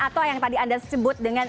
atau yang tadi anda sebut dengan